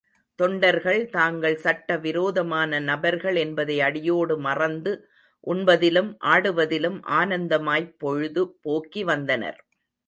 தொண்டர்கள் தாங்கள் சட்ட விரோதமான நபர்கள் என்பதை அடியோடு மறந்து உண்பதிலும், ஆடுவதிலும் ஆனந்தமாய்ப் பொழுது போக்கிவந்தனர்.